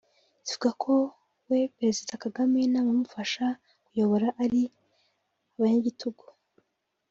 zivuga ko we (Perezida Kagame) n’abamufasha kuyobora ari abanyagitugu